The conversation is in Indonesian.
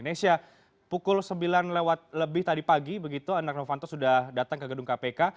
nesya pukul sembilan lewat lebih tadi pagi begitu anak novanto sudah datang ke gedung kpk